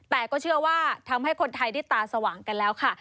แต่ก็เชื่อว่าทำให้คนไทยได้ตาสว่างกันแล้วค่ะ